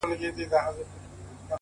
o پرون مي دومره درته وژړله ـ